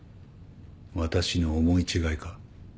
私の思い違いか？